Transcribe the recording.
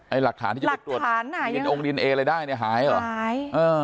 ไอหลักฐานที่จะได้ตรวจหายหรอ